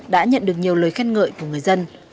đã nhận được nhiều lời khen ngợi của người dân